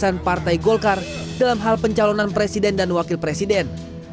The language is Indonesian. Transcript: keputusan partai golkar dalam hal pencalonan presiden dan wakil presiden